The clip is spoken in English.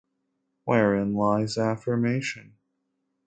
Wherein lies affirmation?